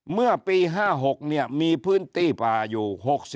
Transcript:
เมื่อปี๕๖มีพื้นที่ป่าอยู่๖๔